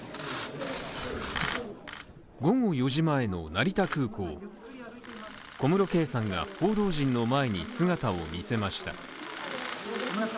午後４時前の成田空港小室圭さんが報道陣の前に姿を見せました